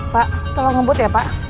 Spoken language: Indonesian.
pak tolong ngebut ya pak